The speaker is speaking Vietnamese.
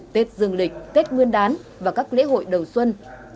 tết dương lịch tết nguyên đán và các lễ hội đầu xuân